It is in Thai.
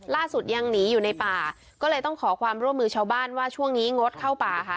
ล่าสุดยังหนีอยู่ในป่าก็เลยต้องขอความร่วมมือชาวบ้านว่าช่วงนี้งดเข้าป่าค่ะ